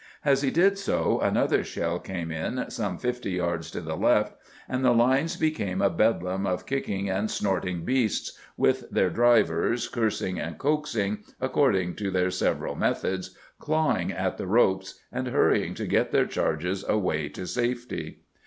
As he did so, another shell came in, some fifty yards to the left, and the lines became a bedlam of kicking and snorting beasts, with their drivers, cursing and coaxing, according to their several methods, clawing at the ropes and hurrying to get their charges away to safety.